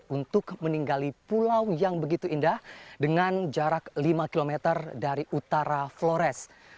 untuk meninggali pulau yang begitu indah dengan jarak lima km dari utara flores